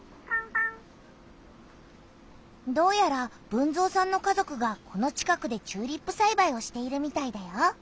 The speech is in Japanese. どうやら豊造さんの家族がこの近くでチューリップさいばいをしているみたいだよ。